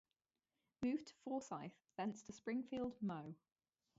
Moved to Forsythe, thence to Springfield, Mo.